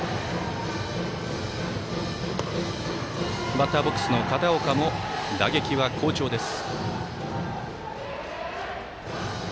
バッターボックスの片岡も打撃は好調です。